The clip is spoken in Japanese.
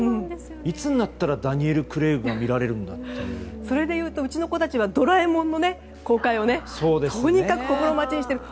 いつになったらダニエル・クレイグがそれで言うとうちの子たちは「ドラえもん」の公開をとにかく心待ちにしていて。